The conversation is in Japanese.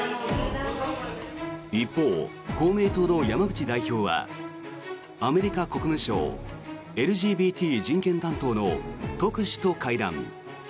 一方、公明党の山口代表はアメリカ国務省ＬＧＢＴ人権担当の特使と会談。